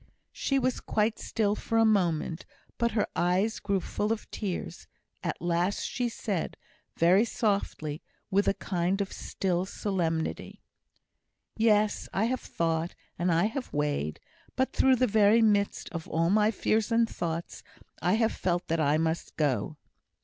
She was quite still for a moment, but her eyes grew full of tears. At last she said, very softly, with a kind of still solemnity: "Yes! I have thought, and I have weighed. But through the very midst of all my fears and thoughts I have felt that I must go."